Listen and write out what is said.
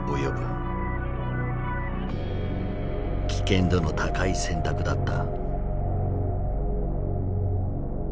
危険度の高い選択だった。